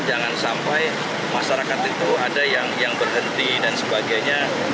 jangan sampai masyarakat itu ada yang berhenti dan sebagainya